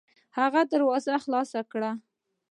هغې دروازه خلاصه کړه.